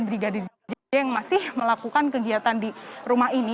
brigadir j yang masih melakukan kegiatan di rumah ini